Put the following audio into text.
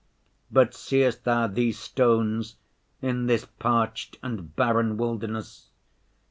But seest Thou these stones in this parched and barren wilderness?